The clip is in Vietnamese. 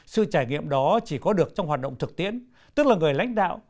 sự trải nghiệm đó chỉ có được trong hoạt động thực tiễn tức là người lãnh đạo